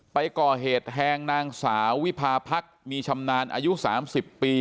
ไปก่อเหตุแทงนางสาววิพาพักษ์มีชำนาญอายุ๓๐ปี